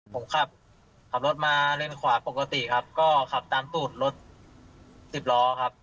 ผมขับรถมาเลนขวาปกติครับก็ขับตามตูดรถสิบล้อครับ